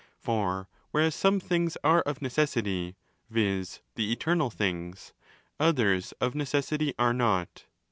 (For whereas some things are of necessity, viz. the eternal things, others of necessity 35 are not.